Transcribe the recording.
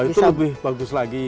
itu lebih bagus lagi